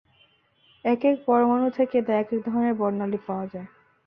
একেক পরমাণু থেকে তাই একেক ধরনের বর্ণালি পাওয়া যায়।